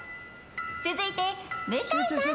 続いて向井さん